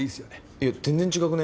いや全然違くね？